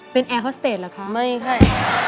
เป็นแอร์ฮอสเตจเหรอคะไม่ใช่